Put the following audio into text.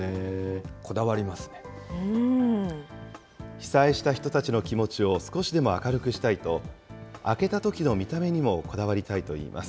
被災した人たちの気持ちを少しでも明るくしたいと、開けたときの見た目にもこだわりたいといいます。